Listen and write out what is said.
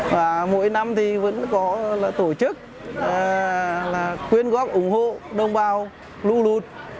và mỗi năm thì vẫn có tổ chức là quyên góp ủng hộ đồng bào lũ lụt